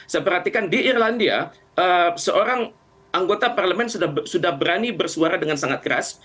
saya perhatikan di irlandia seorang anggota parlemen sudah berani bersuara dengan sangat keras